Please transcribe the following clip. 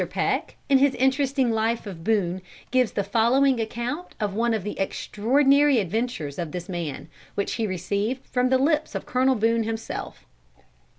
Peck, in his interesting life of Boone, gives the following account of one of the extraordinary adventures of this man, which he received from the lips of Colonel Boone himself.